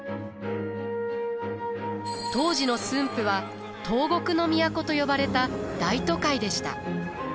当時の駿府は東国の都と呼ばれた大都会でした。